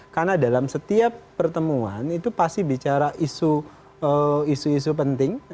karena dalam setiap pertemuan itu pasti bicara isu isu penting